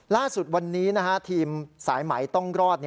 ล่าสุดวันนี้ทีมสายไหมต้องรอด